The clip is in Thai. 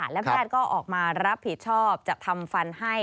และแพทย์ก็ออกมารับผิดชอบจะทำฟันให้